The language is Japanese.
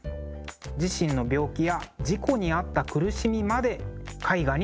自身の病気や事故に遭った苦しみまで絵画に表現しています。